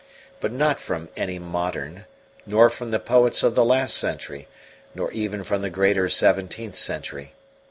But not from any modern, nor from the poets of the last century, nor even from the greater seventeenth century.